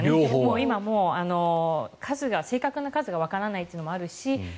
今、正確な数がわからないというのもあるし